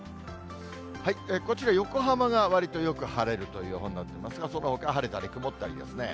こちら、横浜がわりとよく晴れるという予報になってますが、そのほかは晴れたり曇ったりですね。